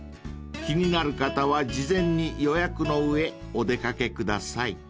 ［気になる方は事前に予約の上お出掛けください］